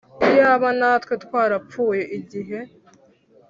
Iyaba natwe twarapfuye igihe